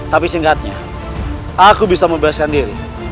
tapi singkatnya aku bisa membebaskan diri